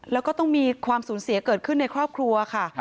แล้วก็ต้องมีความสูญเสียเกิดขึ้นในครอบครัวค่ะ